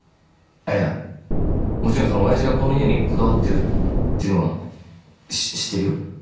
あっいやもちろんその親父がこの家にこだわってるっていうのはしっ知ってるよ。